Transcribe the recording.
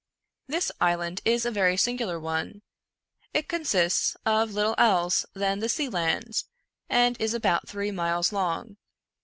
This island is a very singular one. It consists of little else than the sea sand, and is about three miles long.